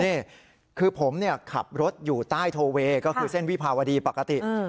นี่คือผมเนี้ยขับรถอยู่ใต้โทเวก็คือเส้นวิพาวดีปกติอืม